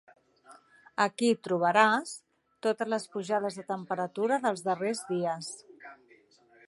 Aquí trobaràs totes les pujades de temperatura dels darrers dies.